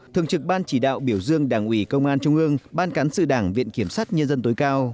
thường trực ban chỉ đạo biểu dương đảng ủy công an trung ương ban cán sự đảng viện kiểm sát nhân dân tối cao